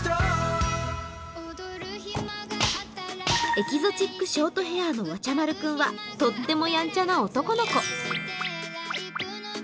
エキゾチックショートヘアのわちゃまる君はとってもやんちゃな男の子。